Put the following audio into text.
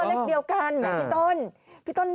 เลขเดียวกันเหมือนพี่ต้น